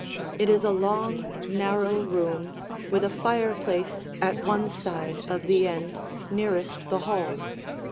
It is a long, narrow room with a fireplace at one side of the end nearest the hall.